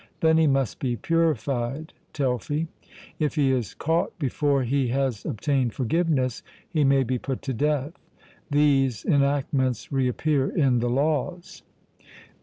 Then he must be purified (Telfy). If he is caught before he has obtained forgiveness, he may be put to death. These enactments reappear in the Laws.